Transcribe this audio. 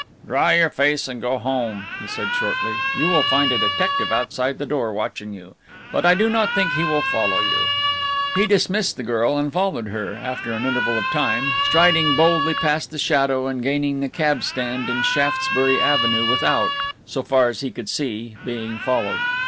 "Dry your face and go home," he said shortly, "you will find a detective outside the door watching you, but I do not think he will follow you." He dismissed the girl and followed her after an interval of time, striding boldly past the shadow and gaining the cab stand in Shaftesbury Avenue without, so far as he could see, being followed.